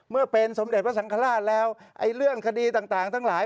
เมื่อเป็นสมเด็จพระสังฆราชแล้วไอ้เรื่องคดีต่างทั้งหลาย